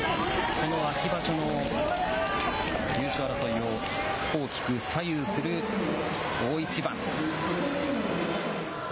この秋場所の優勝争いを大きく左右する大一番。